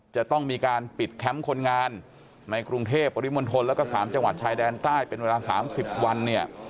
จะต้องมีการปิดแคมป์คนงานในกรุงเทพปริมณฑลแล้วก็๓จังหวัดชายแดนใต้เป็นเวลา๓๐วันเนี่ย